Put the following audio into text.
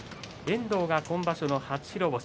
遠藤、今場所の初白星。